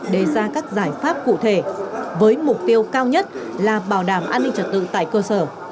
đề ra các giải pháp cụ thể với mục tiêu cao nhất là bảo đảm an ninh trật tự tại cơ sở